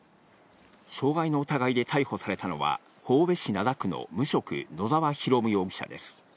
傷害の疑いで逮捕されたのは、神戸市灘区の無職・野澤弘容疑者です。